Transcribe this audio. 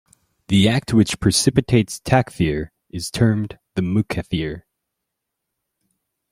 The act which precipitates takfir is termed the mukaffir.